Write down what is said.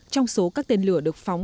trong số các tên lửa được phóng